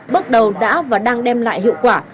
bước đầu đã và đang đem lại hiệu quả